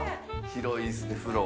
広いですね風呂。